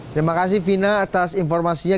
terima kasih vina atas informasinya